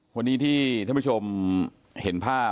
วันนี้ที่ท่านผู้ชมเห็นภาพ